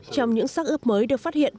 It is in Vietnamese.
trong những sắc ướp mới được phát hiện